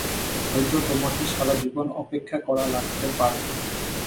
হয়তো তোমাকে সারা জীবন অপেক্ষা করা লাগতে পারে।